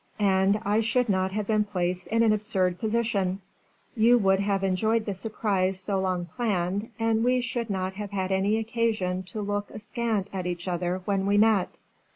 I should not have been placed in an absurd position; you would have enjoyed the surprise so long planned, and we should not have had any occasion to look askant at each other when we met."